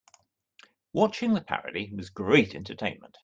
Watching the parody was great entertainment.